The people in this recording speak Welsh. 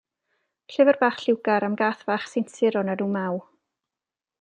Llyfr bach lliwgar am gath fach sinsir o'r enw Maw.